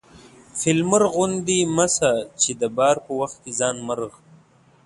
فيل مرغ غوندي مه سه چې د بار په وخت کې ځان مرغ